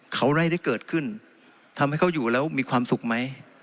เขาไล่ได้เกิดขึ้นทำให้เขาอยู่แล้วมีความสุขไหม